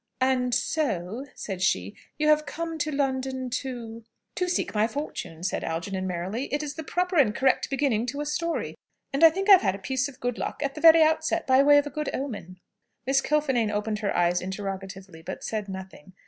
"And so," said she, "you have come to London to " "To seek my fortune," said Algernon merrily. "It is the proper and correct beginning to a story. And I think I have had a piece of good luck at the very outset by way of a good omen." Miss Kilfinane opened her eyes interrogatively, but said nothing.